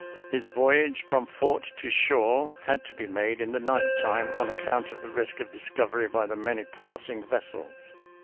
His voyage from fort to shore had to be made in the night time on; .account of the risk of discovery by the many passing vessels.